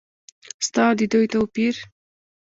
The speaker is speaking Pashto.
ستا او د دوی توپیر ؟